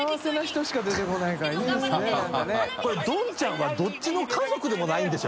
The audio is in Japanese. どんちゃんはどっちの家族でもないんでしょ？